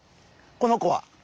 この子は。